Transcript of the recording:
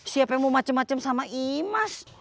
siapa yang mau macem macem sama imas